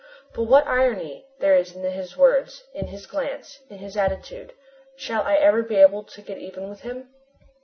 But what irony there is in his words, in his glance, in his attitude. Shall I ever be able to get even with him?